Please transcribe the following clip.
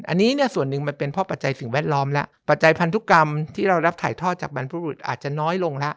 อันนี้เนี่ยส่วนหนึ่งมันเป็นเพราะปัจจัยสิ่งแวดล้อมแล้วปัจจัยพันธุกรรมที่เรารับถ่ายทอดจากบรรพบุรุษอาจจะน้อยลงแล้ว